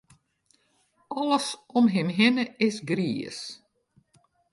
Alles om him hinne is griis.